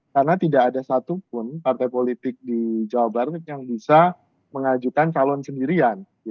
karena tidak ada satupun partai politik di jawa barat yang bisa mengajukan calon sendirian